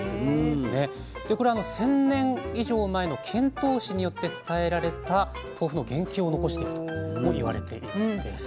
でこれ１，０００年以上前の遣唐使によって伝えられた豆腐の原型を残してるとも言われているんです。